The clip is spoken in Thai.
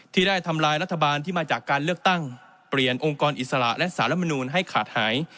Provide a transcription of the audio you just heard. ที่ได้ทำลายรัฐบาลที่มาจากการเลือกตั้งเปลี่ยนองค์กรอิสระและสารมนูลให้ขาดหาย